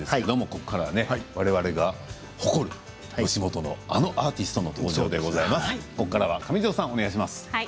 ここからはわれわれが誇る吉本のあのアーティストの登場でございます。